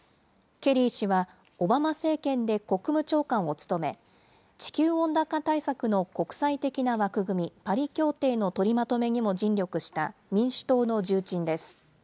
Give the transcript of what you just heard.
ケリー氏はオバマ政権で国務長官を務め、地球温暖化対策の国際的な枠組み、パリ協定の取りまとめにも尽力した民主党の重鎮です。